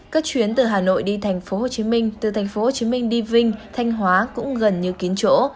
các chuyến từ hà nội đi tp hcm từ tp hcm đi vinh thanh hóa cũng gần như kín chỗ